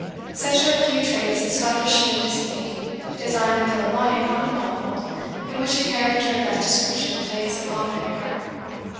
Such are a few traits of Scottish mendicity, designed to throw light on a Novel in which a character of that description plays a prominent part.